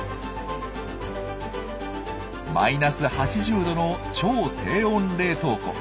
マイナス８０℃の超低温冷凍庫。